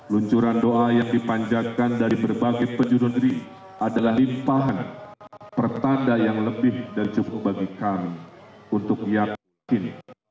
luncuran doa yang dipanjatkan dari berbagai penjuru negeri adalah limpahan pertanda yang lebih dan cukup bagi kami untuk yakin